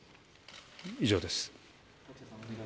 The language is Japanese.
以上です。